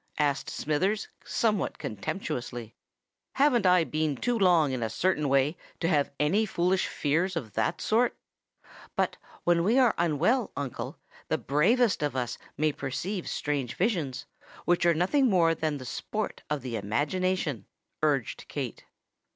asked Smithers, somewhat contemptuously. "Haven't I been too long in a certain way to have any foolish fears of that sort?" "But when we are unwell, uncle, the bravest of us may perceive strange visions, which are nothing more than the sport of the imagination," urged Kate.